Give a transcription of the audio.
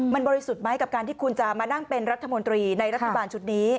มันบริสุทธิ์ไหมกับการที่คุณจะมานั่งเป็นรัฐมนตรีในรัฐบาลชุดนี้